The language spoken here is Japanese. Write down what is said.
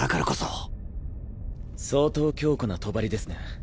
相当強固な帳ですね。